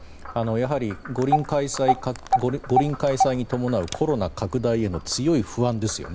やはり、五輪開催に伴うコロナ拡大への強い不安ですよね。